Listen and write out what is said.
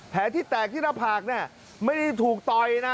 ที่แตกที่หน้าผากเนี่ยไม่ได้ถูกต่อยนะ